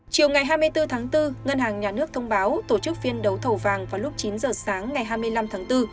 chiều ngày hai mươi bốn tháng bốn ngân hàng nhà nước thông báo tổ chức phiên đấu thầu vàng vào lúc chín giờ sáng ngày hai mươi năm tháng bốn